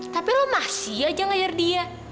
tapi lo masih aja layar dia